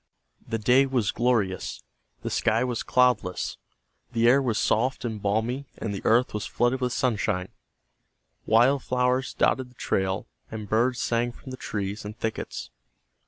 The day was glorious. The sky was cloudless, the air was soft and balmy and the earth was flooded with sunshine. Wild flowers dotted the trail, and birds sang from the trees and thickets.